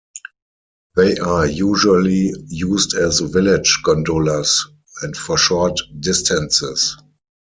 They are usually used as village gondolas and for short distances.